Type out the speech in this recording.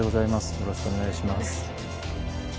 よろしくお願いします。